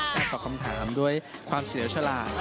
ตอบคำถามด้วยความเสียสละ